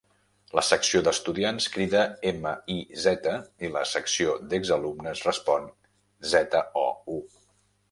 La secció d'estudiants crida "M-I-Z" i la secció d'exalumnes respon "Z-O-U".